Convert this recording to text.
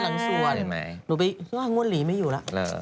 อ๋อหลังสวนหนูไปง่อนหลีไม่อยู่แล้ว